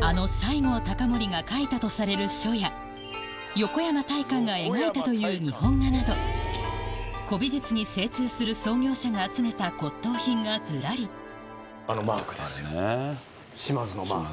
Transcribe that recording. あの西郷隆盛が書いたとされる書や横山大観が描いたという日本画など古美術に精通する創業者が集めた骨董品がズラリ島津のマーク。